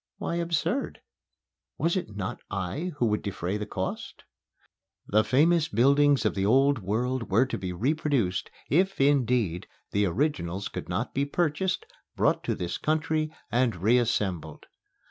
Why absurd? Was it not I who would defray the cost? The famous buildings of the Old World were to be reproduced, if, indeed, the originals could not be purchased, brought to this country and reassembled.